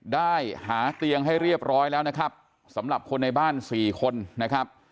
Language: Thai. ได้หาเตียงให้เรียบร้อยแล้วนะครับสำหรับคนในบ้านสี่คนนะครับ